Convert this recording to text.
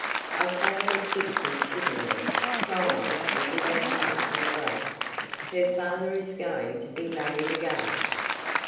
I found Miss Gibson sitting there, crying as if her heart would break. Her father is going to be married again."